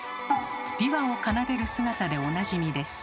琵琶を奏でる姿でおなじみです。